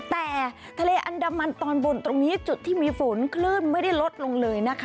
แต่ทะเลอันดามันตอนบนตรงนี้จุดที่มีฝนคลื่นไม่ได้ลดลงเลยนะคะ